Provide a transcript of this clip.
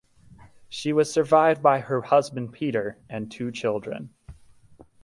She was survived by her husband Peter and two children.